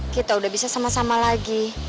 kita udah bisa sama sama lagi